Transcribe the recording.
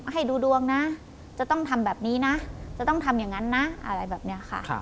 ให้ดูดวงนะจะต้องทำแบบนี้นะจะต้องทำอย่างนั้นนะอะไรแบบนี้ค่ะ